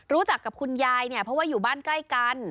รู้จักกับคุณยายเนี่ยเพราะว่าอยู่บ้านใกล้กัน